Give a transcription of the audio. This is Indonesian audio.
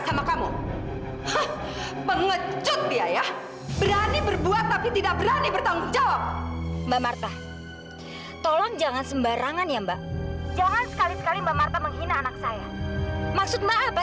sampai jumpa di video selanjutnya